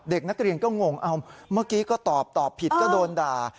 เด็กนักเรียนก็งงเอาเมื่อกี้ก็ตอบตอบผิดก็โดนด่า